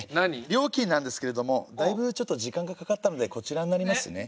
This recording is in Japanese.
料金なんですけれどもだいぶ時間がかかったのでこちらになりますね。